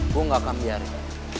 gue gak akan biarin